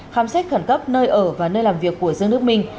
khám xét khẩn cấp nơi ở và nơi làm việc của dương đức minh